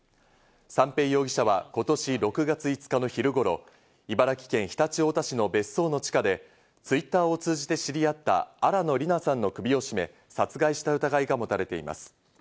三瓶容疑者は今年６月５日の昼頃、茨城県常陸太田市の別荘の地下でＴｗｉｔｔｅｒを通じて知り合った新野りなさんの首を絞め殺害した疑いが持たれています。